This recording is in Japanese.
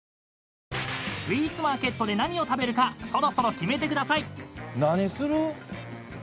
［スウィーツマーケットで何を食べるかそろそろ決めてください］